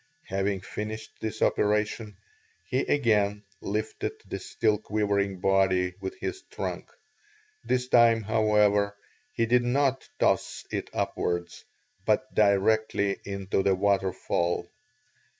Having finished this operation, he again lifted the still quivering body with his trunk; this time, however, he did not toss it upwards, but directly into the waterfall.